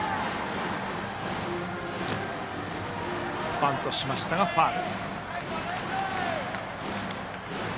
バントしましたがファウル。